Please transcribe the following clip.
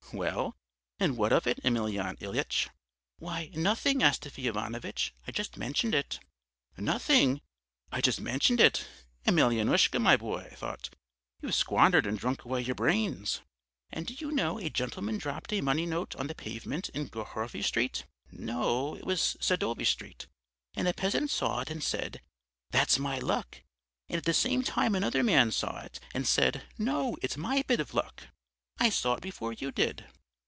"'Well, and what of it, Emelyan Ilyitch?' "'Why, nothing, Astafy Ivanovitch, I just mentioned it.' "'"Nothing, I just mentioned it!" Emelyanoushka, my boy, I thought, you've squandered and drunk away your brains!' "'And do you know, a gentleman dropped a money note on the pavement in Gorohovy Street, no, it was Sadovy Street. And a peasant saw it and said, "That's my luck"; and at the same time another man saw it and said, "No, it's my bit of luck. I saw it before you did."'